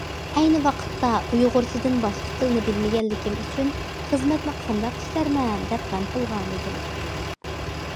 ئەينى ۋاقىتتا ئۇيغۇرچىدىن باشقا تىلنى بىلمىگەنلىكىم ئۈچۈن، خىزمەتنى قانداق ئىشلەرمەن، دەپ غەم قىلغانىدىم.